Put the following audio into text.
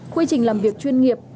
quy trình làm việc chuyên nghiệp